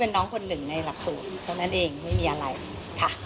เท่านั้นเองไม่มีอะไรค่ะ